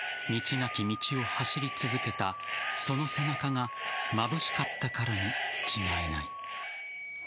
なき道を走り続けたその背中がまぶしかったからに違いない。